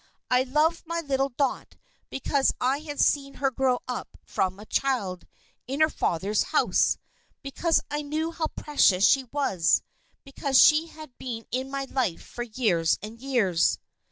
I loved my little Dot because I had seen her grow up from a child, in her father's house; because I knew how precious she was; because she had been in my life for years and years."